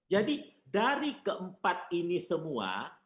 jadi dari keempat ini semua